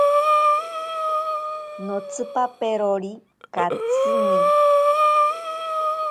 Notsipaperori katsini.